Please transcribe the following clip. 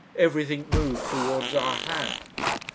Everything moved towards our hands.